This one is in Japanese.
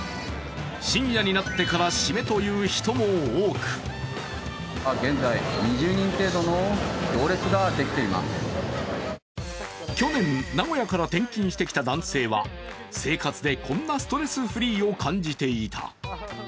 深夜になってから締めという人も多く去年、名古屋から転勤してきた男性は、生活でこんなストレスフリーを感じていた。